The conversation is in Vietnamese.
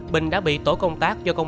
bình đã bị tổ công tác do công an